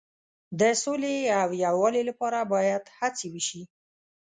د سولې او یووالي لپاره باید هڅې وشي.